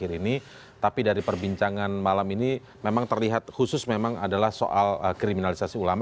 yang khusus memang adalah soal kriminalisasi ulama